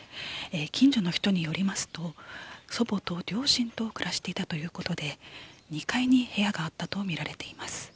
近所の人によりますと祖母と両親と暮らしていたということで２階に部屋があったとみられています。